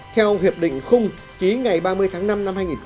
theo hiệp định khung ký ngày ba mươi tháng năm năm hai nghìn một mươi